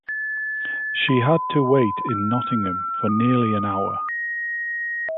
She had to wait in Nottingham nearly an hour.